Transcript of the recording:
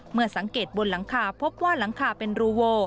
เมื่อสังเกตบนหลังคาพบว่าหลังคาเป็นรูโว